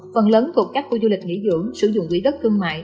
phần lớn thuộc các khu du lịch nghỉ dưỡng sử dụng quỹ đất thương mại